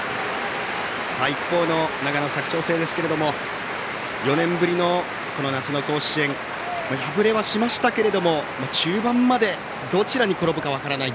一方の長野・佐久長聖ですけれど４年ぶりの夏の甲子園敗れはしましたけども、中盤までどちらに転ぶか分からない